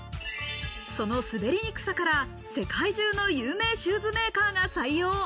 その滑りにくさから世界中の有名シューズメーカーが採用。